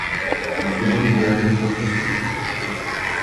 Působil zde jako profesor.